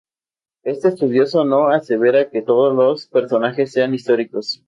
Este estudioso no asevera que todos los personajes sean históricos.